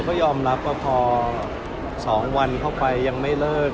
ก็ยอมรับว่าพอ๒วันเข้าไปยังไม่เลิก